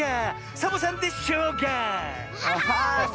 サボさんで「しょうが」！